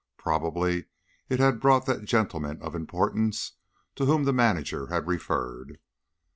Probably it had brought that "gentleman of importance" to whom the manager had referred.